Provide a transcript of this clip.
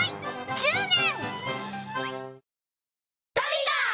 １０年！